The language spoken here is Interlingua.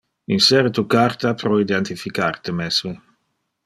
Insere tu carta pro identificar te mesme.